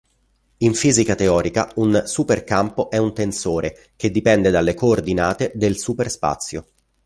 In fisica teorica, un supercampo è un tensore che dipende delle coordinate del superspazio.